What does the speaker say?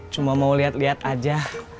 cuma mau liat liat aja